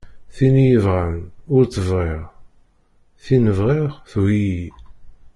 Tin i y-ibɣan ur tt-bɣiɣ, tin bɣiɣ tugi-yi.